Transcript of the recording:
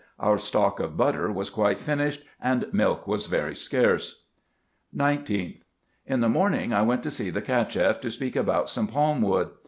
Our stock of butter was quite finished, and milk was very scarce. 19th. — In the morning I went to see the Cacheff, to speak about some palm wood.